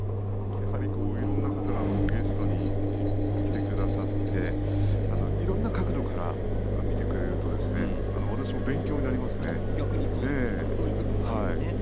やはり、いろいろな方がゲストに来てくださっていろいろな角度から見てくれると逆にそういう部分があるんですね。